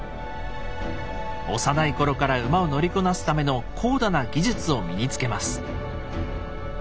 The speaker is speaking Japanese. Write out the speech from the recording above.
幼い頃から馬を乗りこなすための高度な技術を身につけます。